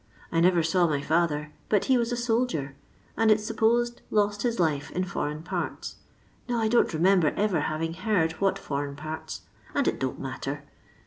I never saw my father, but he waa a aoldier, and it 'a supposed lost his life in foreign parts. No, I don't remember ever having heard what I foreign parts, and it don*t matter.